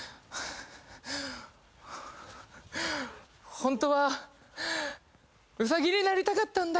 ホントはウサギになりたかったんだ